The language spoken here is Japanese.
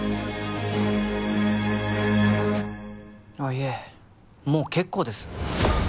いえもう結構です。